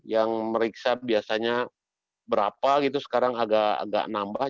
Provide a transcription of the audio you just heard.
yang meriksa biasanya berapa gitu sekarang agak nambah